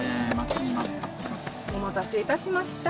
お待たせいたしました。